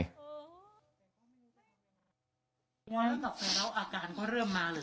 วันต่อไปแล้วอาการก็เริ่มมาหรือ